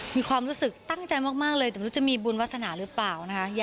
มีความรู้สึกตั้งใจมากเลยแต่ไม่รู้จะมีบุญวาสนาหรือเปล่านะคะ